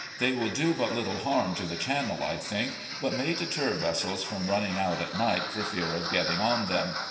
They will do but little harm to the channel, I think, but may deter vessels from running out at night for fear of getting on them.